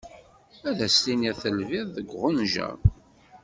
Ad s-tiniḍ telbiḍ deg uɣenǧa.